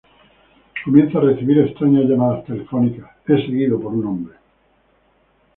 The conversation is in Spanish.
Comienza a recibir extrañas llamadas telefónicas, es seguido por un hombre.